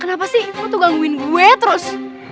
kenapa sih aku tuh gangguin gue terus